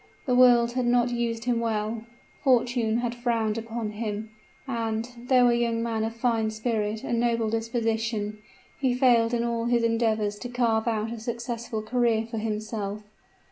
The world bad not used him well Fortune had frowned upon him and, though a young man of fine spirit and noble disposition, he failed in all his endeavors to carve out a successful career for himself.